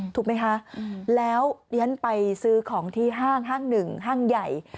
ถูกไหมคะแล้วยังไปซื้อของที่ห้าง๑ห้างใหญ่